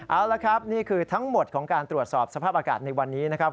เอาละครับนี่คือทั้งหมดของการตรวจสอบสภาพอากาศในวันนี้นะครับ